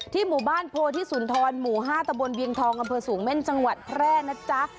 หมู่บ้านโพธิสุนทรหมู่๕ตะบนเวียงทองอำเภอสูงเม่นจังหวัดแพร่นะจ๊ะ